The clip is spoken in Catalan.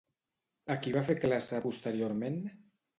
A qui va fer classe posteriorment?